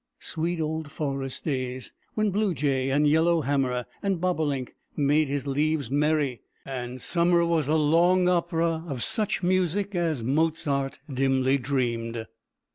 Sweet old forest days! when blue jay, and yellowhammer, and bobolink made his leaves merry, and summer was a long opera of such music as Mozart dimly dreamed.